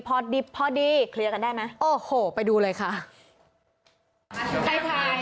พอดิบพอดีเคลียร์กันได้ไหมโอ้โหไปดูเลยค่ะ